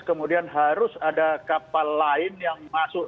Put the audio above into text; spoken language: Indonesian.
kemudian harus ada kapal lain yang masuk